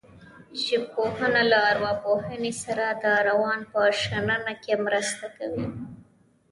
ژبپوهنه له ارواپوهنې سره د روان په شننه کې مرسته کوي